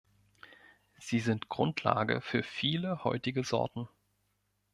Sie sind Grundlage für viele heutige Sorten.